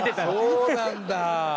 そうなんだ！